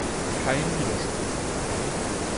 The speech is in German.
Kein Widerspruch!